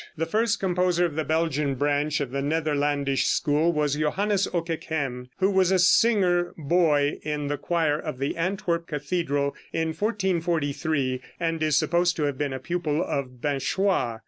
The first composer of the Belgian branch of the Netherlandish school was Joannes Okeghem, who was a singer boy in the choir of the Antwerp cathedral in 1443, and is supposed to have been a pupil of Binchois.